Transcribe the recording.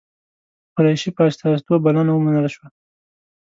قریشي په استازیتوب بلنه ومنل شوه.